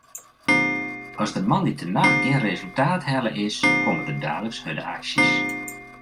As der moandeitenacht gjin resultaat helle is, komme der daliks hurde aksjes.